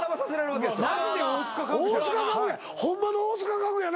大塚家具や。